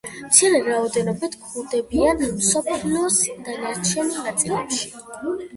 მცირე რაოდენობით გვხვდებიან მსოფლიოს დანარჩენ ნაწილებში.